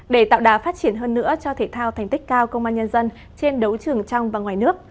để tạo đá phát triển hơn nữa cho thể thao thành tích cao công an nhân dân trên đấu trường trong và ngoài nước